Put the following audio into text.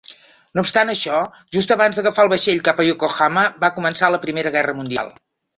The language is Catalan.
No obstant això, just abans d'agafar el vaixell cap a Yokohama, va començar la Primera Guerra Mundial.